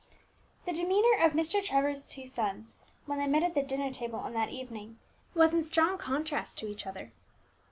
The demeanour of Mr. Trevor's two sons, when they met at the dinner table on that evening, was in strong contrast to each other.